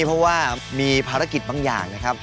เพราะว่ามีภาระกิจบางอย่าง